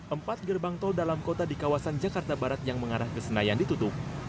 empat gerbang tol dalam kota di kawasan jakarta barat yang mengarah ke senayan ditutup